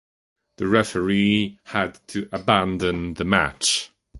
The referee had to abandon the match.